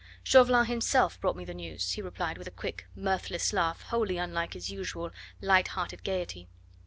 Chauvelin himself brought me the news," he replied with a quick, mirthless laugh, wholly unlike his usual light hearted gaiety.